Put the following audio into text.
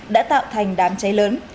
đã tạo thành đàm cháy lớn